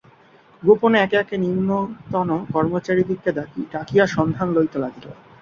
গোপনে একে একে নিম্নতন কর্মচারীদিগকে ডাকিয়া সন্ধান লইতে লাগিল।